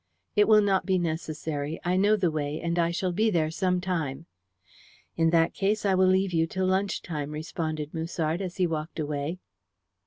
"It will not be necessary. I know the way, and I shall be there some time." "In that case I will leave you till lunch time," responded Musard, as he walked away.